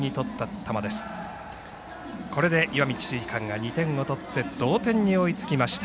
これで石見智翠館が２点を取って同点に追いつきました。